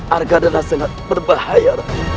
arga adalah sangat berbahaya